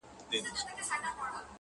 o زما او ستا تر منځ صرف فرق دادى،